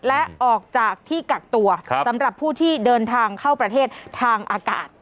และออกจากที่กักตัวสำหรับผู้ที่เดินทางเข้าประเทศทางอากาศ